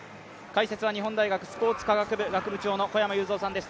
解説は日本大学スポーツ科学部学部長の小山裕三さんです。